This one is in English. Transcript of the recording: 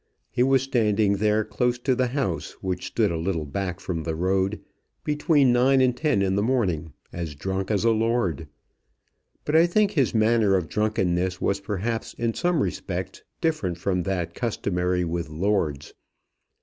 He was standing there close to the house, which stood a little back from the road, between nine and ten in the morning, as drunk as a lord. But I think his manner of drunkenness was perhaps in some respects different from that customary with lords.